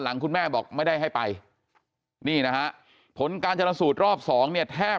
คุณแม่บอกไม่ได้ให้ไปนี่นะฮะผลการชนสูตรรอบสองเนี่ยแทบ